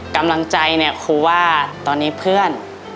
กำลังใจเนี่ยครูว่าตอนนี้เพื่อน